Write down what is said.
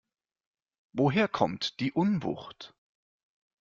Woher kommt die Unwucht?